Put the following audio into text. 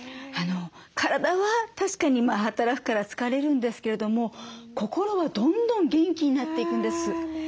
体は確かに働くから疲れるんですけれども心はどんどん元気になっていくんです。